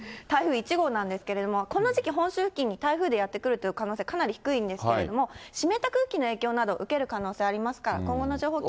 台風１号なんですけれども、この時期、本州付近に台風でやって来るという可能性、かなり低いんですけれども、湿った空気の影響など受ける可能性ありますから、今後の情